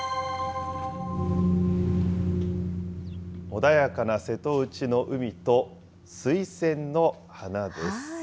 穏やかな瀬戸内の海と、水仙の花です。